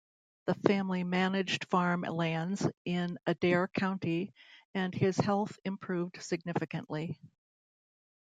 The family managed farm lands in Adair County, and his health improved significantly.